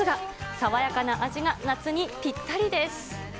爽やかな味が夏にぴったりです。